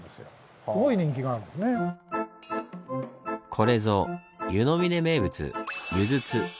これぞ湯の峰名物「湯筒」。